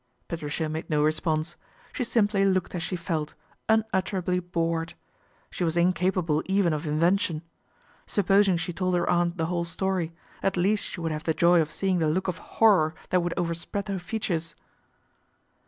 Patricia made no response ; she simply looked as she felt, unutterably bored. She was incapable even of invention. Supposing she told her aunt the whole story, at least she would have the joy of seeing the look of horror that would overspread her features.